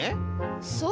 そう！